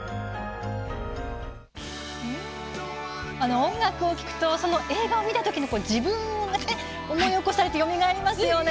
音楽を聴くとその映画を見たときの、自分を思い起こされてよみがえりますよね。